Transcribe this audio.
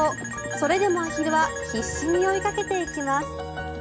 それでもアヒルは必死に追いかけていきます。